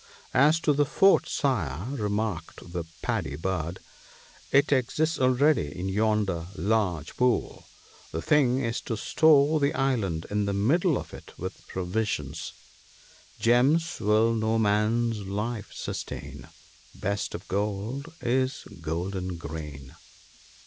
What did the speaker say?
" As to the fort, Sire !" remarked the Paddy bird, " it exists already in yonder large pool ; the thing is to store the island in the middle of it with provisions, —" Gems will no man's life sustain ; Best of gold is golden grain."